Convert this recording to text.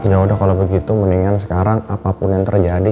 ya udah kalau begitu mendingan sekarang apapun yang terjadi